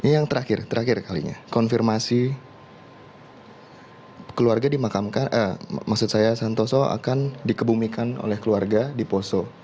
ini yang terakhir terakhir kalinya konfirmasi keluarga dimakamkan maksud saya santoso akan dikebumikan oleh keluarga di poso